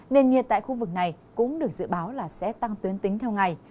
nền nhiệt tại khu vực này cũng được dự báo là sẽ tăng tuyến tính theo ngày